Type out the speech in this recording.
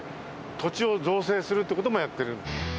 土地を造成するという事もやってる。